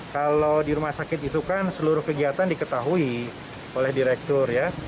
kalau di rumah sakit itu kan seluruh kegiatan diketahui oleh direktur ya